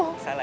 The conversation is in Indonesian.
oh salah ya